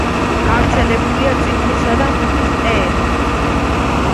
გავრცელებულია წიფლისა და მუხის ტყეები.